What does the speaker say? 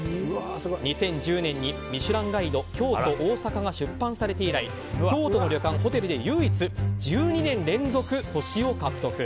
２０１０年に「ミシュランガイド京都・大阪」が出版されて以来京都の旅館・ホテルで唯一１２年連続、星を獲得。